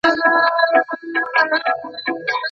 که په ویډیو کي غلطي موجوده وي نو لیدونکي یې نه خوښوي.